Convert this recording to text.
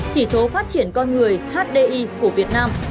chỉ số phát triển con người hdi của việt nam